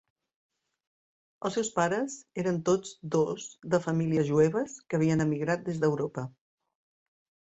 Els seus pares eren tots dos de famílies jueves que havien emigrat des d'Europa.